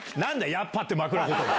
「やっぱ」って枕ことば。